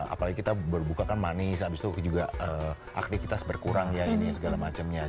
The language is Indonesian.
apalagi kita berbuka kan manis abis itu juga aktivitas berkurang ya ini segala macamnya